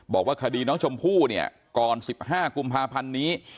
บอกว่าคดีน้องชมพู่เนี่ยก่อน๑๕กุมภาพันธ์นี้